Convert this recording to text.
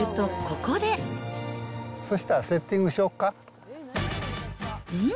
そしたらセッティングしよかん？